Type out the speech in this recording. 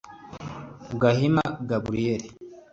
Gahima Gabriel